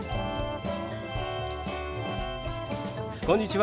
こんにちは。